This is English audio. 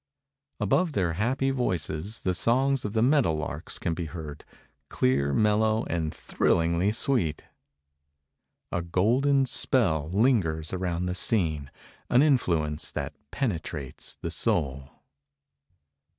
Above their happy voices the songs of the meadow larks can be heard, clear, mellow and thrillingly sweet. A golden spell lingers around the scene, an influence that penetrates the soul.